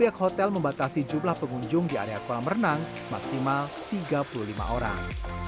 pihak hotel membatasi jumlah pengunjung di area kolam renang maksimal tiga puluh lima orang